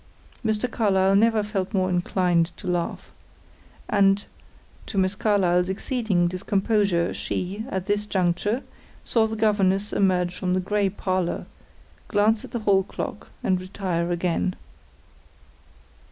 Mr. Carlyle never felt more inclined to laugh. And, to Miss Carlyle's exceeding discomposure she, at this juncture, saw the governess emerge from the gray parlor, glance at the hall clock, and retire again.